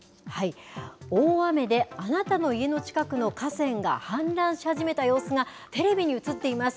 大雨であなたの家の近くの河川が氾濫し始めた様子がテレビに映っています。